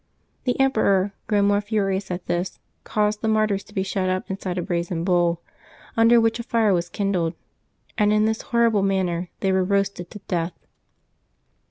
The emperor, grown more furious at this, caused the martyrs to be shut up inside a brazen bull, under which a fire was kindled, and in this horrible manner they were roasted to death.